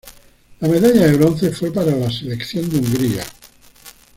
La medalla de bronce fue para la selección de Hungría.